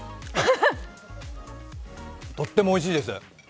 とってもおいしいです。